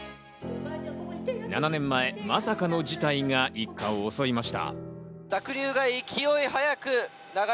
７年前、まさかの事態が一家を襲いました。